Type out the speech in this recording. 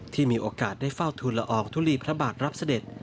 ที่มีโอกาสได้เฝ้าทุนละอองทุลีพระบาทรับเสด็จ